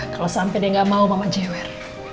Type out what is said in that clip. kalau sampai dia gak mau mama jewer